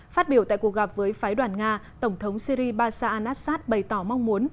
phát biểu tại cuộc gặp với phái đoàn nga tổng thống syri basa anassad bày tỏ mong muốn